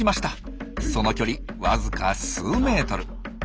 その距離わずか数メートル。